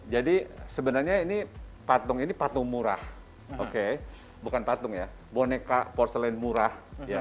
jadi sebenarnya ini patung murah bukan patung ya boneka porselen murah